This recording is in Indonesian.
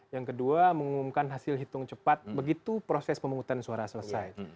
yang kedua mengumumkan hasil hitung cepat begitu proses pemungutan suara selesai